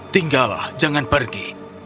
tinggallah jangan pergi